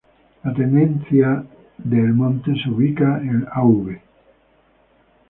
La Tenencia de El Monte se ubica en Av.